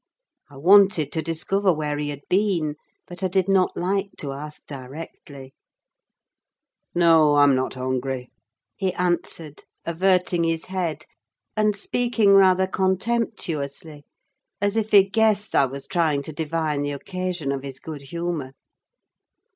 I wanted to discover where he had been, but I did not like to ask directly. "No, I'm not hungry," he answered, averting his head, and speaking rather contemptuously, as if he guessed I was trying to divine the occasion of his good humour.